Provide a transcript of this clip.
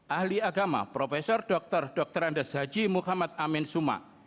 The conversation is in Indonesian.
ahli agama prof dr dr andes haji muhammad amin suma